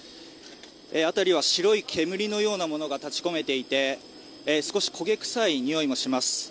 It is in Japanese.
辺りは白い煙のようなものが立ち込めていて少し焦げ臭いにおいもします。